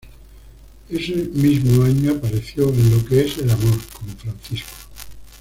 Ese mismo año, apareció en "Lo que es el amor" como Francisco.